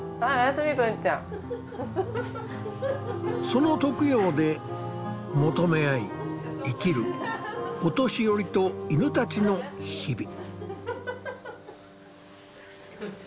その特養で求め合い生きるお年寄りと犬たちの日々。